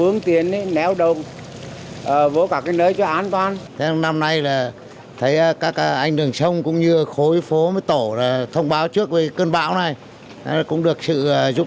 năm nay các anh đường sông cũng như khối phố mới tổ thông báo trước về cơn bão này cũng được sự giúp